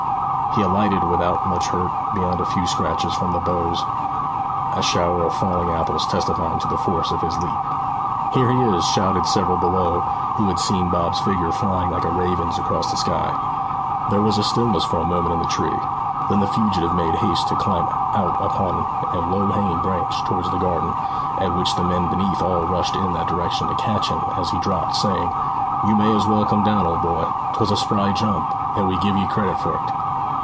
He alighted without much hurt beyond a few scratches from the boughs, a shower of falling apples testifying to the force of his leap. 'Here he is!' shouted several below who had seen Bob's figure flying like a raven's across the sky. There was stillness for a moment in the tree. Then the fugitive made haste to climb out upon a low hanging branch towards the garden, at which the men beneath all rushed in that direction to catch him as he dropped, saying, 'You may as well come down, old boy. 'Twas a spry jump, and we give ye credit for 't.'